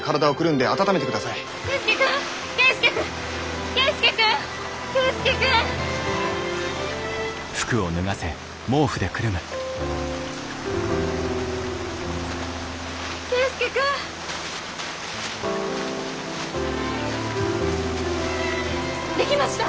できました！